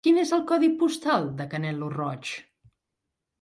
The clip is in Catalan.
Quin és el codi postal de Canet lo Roig?